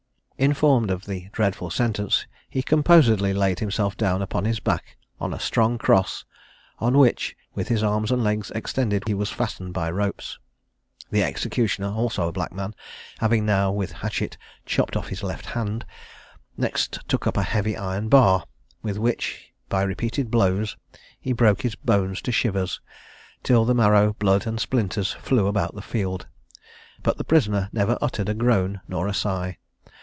Informed of the dreadful sentence, he composedly laid himself down upon his back on a strong cross, on which, with his arms and legs extended, he was fastened by ropes. The executioner, also a black man, having now with a hatchet chopped off his left hand, next took up a heavy iron bar, with which, by repeated blows, he broke his bones to shivers, till the marrow, blood, and splinters flew about the field; but the prisoner never uttered a groan nor a sigh!